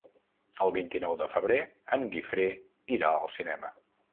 El vint-i-nou de febrer en Guifré irà al cinema.